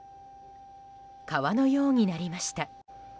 川のようになりました。